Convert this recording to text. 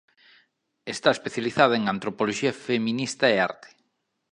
Está especializada en antropoloxía feminista e arte.